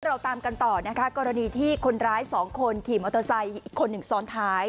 เราตามกันต่อนะคะกรณีที่คนร้ายสองคนขี่มอเตอร์ไซค์อีกคนหนึ่งซ้อนท้าย